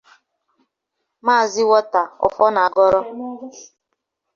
maazị Walter Ọfọnagọrọ